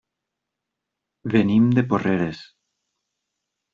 Venim de Porreres.